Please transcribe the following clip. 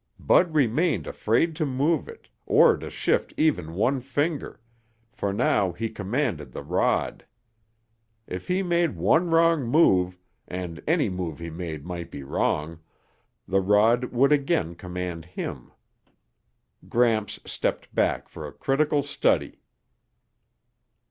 Bud remained afraid to move it, or to shift even one finger, for now he commanded the rod. If he made one wrong move, and any move he made might be wrong, the rod would again command him. Gramps stepped back for a critical study.